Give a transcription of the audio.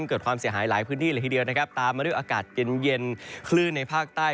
เกิดความเสียหายหายพื้นที่ทีเดียวตามมาด้วยอากาศเย็นที่คลื่นในภาคใต้